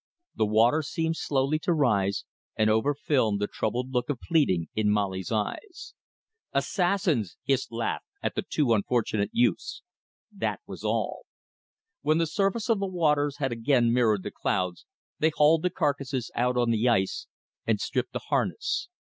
The water seemed slowly to rise and over film the troubled look of pleading in Molly's eyes. "Assassins!" hissed Laveque at the two unfortunate youths. That was all. When the surface of the waters had again mirrored the clouds, they hauled the carcasses out on the ice and stripped the harness.